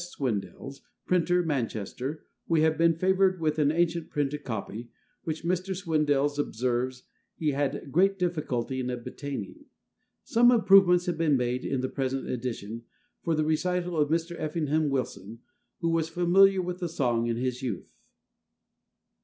Swindells, printer, Manchester, we have been favoured with an ancient printed copy, which Mr. Swindells observes he had great difficulty in obtaining. Some improvements have been made in the present edition from the recital of Mr. Effingham Wilson, who was familiar with the song in his youth.